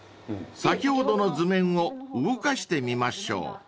［先ほどの図面を動かしてみましょう］